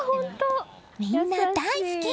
みんな大好き！